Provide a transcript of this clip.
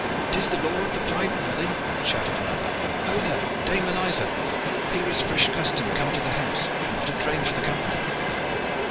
"'Tis the law of the 'Pied Merlin,'" shouted another. "Ho there, Dame Eliza! Here is fresh custom come to the house, and not a drain for the company."